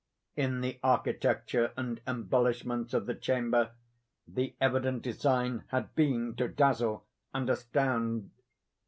In the architecture and embellishments of the chamber, the evident design had been to dazzle and astound.